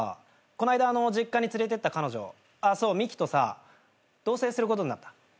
この間実家に連れてった彼女そうミキとさ同棲することになった。